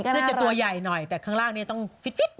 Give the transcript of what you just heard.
ซึ่งจะตัวใหญ่หน่อยแต่ข้างล่างนี้ต้องฟิต